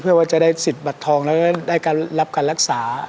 เพื่อว่าจะได้สิทธิ์บัตรทองแล้วก็ได้รับการรักษา